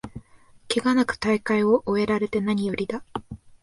ケガなく大会を終えられてなによりだ